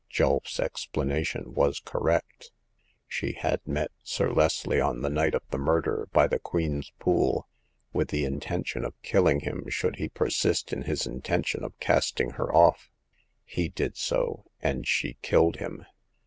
Julf's explanation was correct. She had met Sir Leslie on the night of the murder by the Queen's Pool, with the intention of killing him should he persist in his intention of casting her off. He did so, and she killed him.